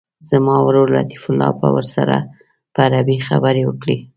زما ورور لطیف الله به ورسره په عربي خبرې وکړي.